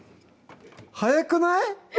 ⁉早くない？